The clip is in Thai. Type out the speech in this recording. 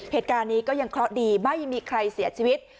เหตุการณ์นี้ก็ยังเคราะห์ดีไม่มีใครเสียชีวิต